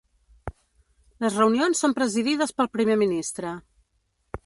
Les reunions són presidides pel primer ministre.